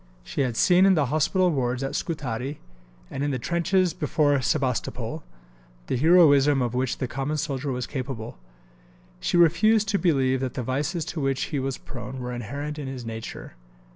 She had seen in the hospital wards at Scutari, and in the trenches before Sebastopol, the heroism of which the common soldier was capable. She refused to believe that the vices to which he was prone were inherent in his nature.